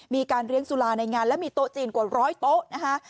มีการเลี้ยงสุราในงานและมีโต๊ะจีนกว่าร้อยโต๊ะนะคะ